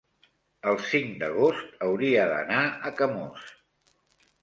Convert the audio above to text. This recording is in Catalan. el cinc d'agost hauria d'anar a Camós.